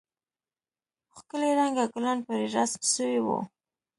ښکلي رنگه گلان پرې رسم سوي وو.